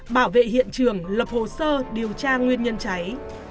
bảo vệ hiện trường lập hồ sơ điều tra nguyên nhân cháy